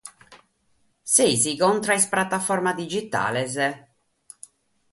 Seis contra a is prataformas digitales?